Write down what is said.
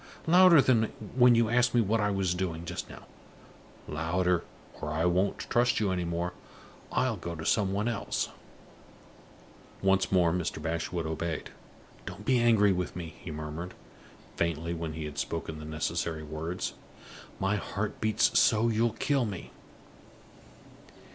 Louder than when you asked me what I was doing, just now; louder, or I won't trust you any more; I'll go to somebody else!" Once more Mr. Bashwood obeyed. "Don't be angry with me," he murmured, faintly, when he had spoken the necessary words. "My heart beats so you'll kill me!"